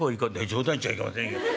「冗談言っちゃいけませんよ。